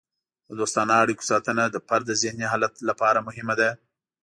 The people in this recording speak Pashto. د دوستانه اړیکو ساتنه د فرد د ذهني حالت لپاره مهمه ده.